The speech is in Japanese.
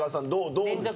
どうですか？